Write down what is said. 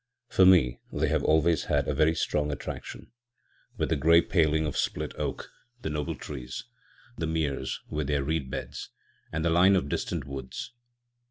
For me they have always had a very strong attraction: with the grey paling of split oak, the noble trees, the meres with their reed beds, and the line of distant woods.